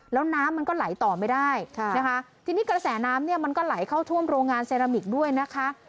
แล้วน้ำมันก็ไหลต่อไม่ได้นะคะทีนี้กระแสน้ำเนี่ยมันก็ไหลเข้าท่วมโรงงานเซรามิกด้วยนะคะ